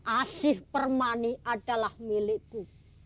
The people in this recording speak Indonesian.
asih permani adalah milikku